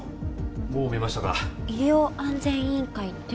もう見ましたか医療安全委員会って？